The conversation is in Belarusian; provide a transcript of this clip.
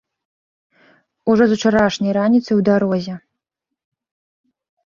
Ужо з учарашняй раніцы ў дарозе.